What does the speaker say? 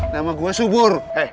nama gua subur